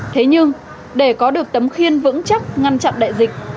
thế nhưng để có được tấm khiên vững chắc ngăn chặn đại dịch